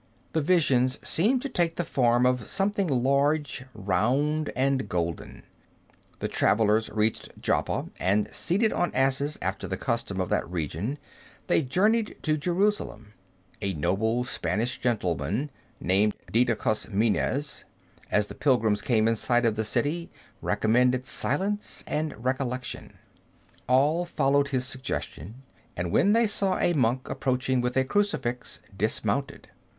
The visions seemed to take the form of something large, round, and golden. The travelers reached Joppa, and seated on asses, after the custom of that region, they journeyed to Jerusalem. A noble Spanish gentleman, named Didacus Minez, as the pilgrims came in sight of the city, recommended silence and recollection. All followed his suggestion, and when they saw a monk approaching with a crucifix, dismounted.